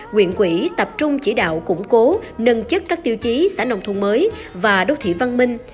quyện quỹ tập trung chỉ đạo củng cố nâng chất các tiêu chí xã nông thôn mới và đô thị văn minh